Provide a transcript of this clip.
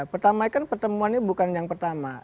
pertama pertemuan ini bukan yang pertama